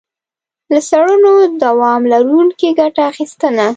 له څړونو دوام لرونکي ګټه اخیستنه.